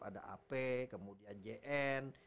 ada ap kemudian jn